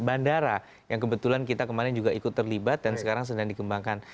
bandara yang kebetulan kita kemarin juga ikut terlibat dan sekarang sedang dikembangkan